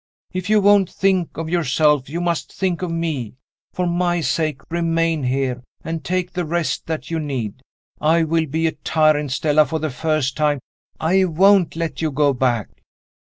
"If you won't think of yourself, you must think of me. For my sake remain here, and take the rest that you need. I will be a tyrant, Stella, for the first time; I won't let you go back."